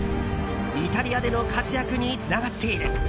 イタリアでの活躍につながっている。